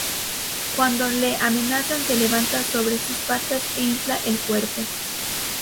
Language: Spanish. Cuando le amenazan se levanta sobre sus patas e infla el cuerpo.